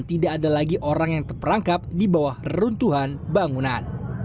tidak ada lagi orang yang terperangkap di bawah reruntuhan bangunan